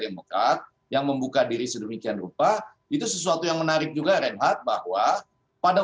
demokrat yang membuka diri sedemikian rupa itu sesuatu yang menarik juga renhat bahwa pada